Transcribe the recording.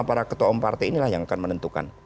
para ketua umum partai inilah yang akan menentukan